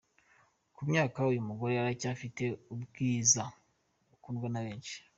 Ku myaka uyu mugore aracyafite ubwiza bukundwa na benshi.